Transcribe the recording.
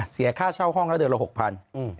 เสียค่าเช่าห้องแล้วเดือนละ๖๐๐บาท